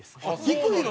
低いの？